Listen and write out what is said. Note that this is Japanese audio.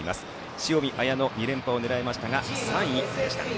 塩見綾乃、２連覇を狙いましたが３位でした。